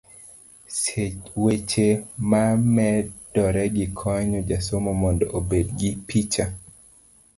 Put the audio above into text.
weche mamedoregi konyo jasomo mondo obed gi picha